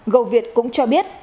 gầu việt cũng cho biết